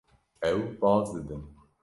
Ew baz didin.